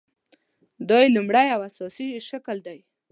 دا یې لومړۍ او اساسي شکل دی.